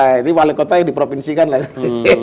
ini wali kota yang dipropinsikan lah ya